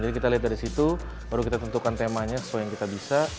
jadi kita lihat dari situ baru kita tentukan temanya sesuai yang kita bisa